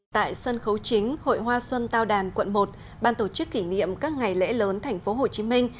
tại sân khấu chính hội hoa xuân tao đàn quận một ban tổ chức kỷ niệm các ngày lễ lớn thành phố hồ chí minh